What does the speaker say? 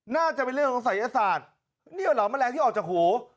น่าจะเป็นเรื่องของศัยศาสตร์เนี่ยเหรอแมลงที่ออกจากหู